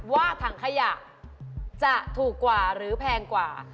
ว่าถังขยะจะถูกกว่าหรือแพงกว่า